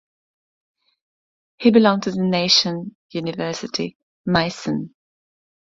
He belonged to the nation (university) Meissen.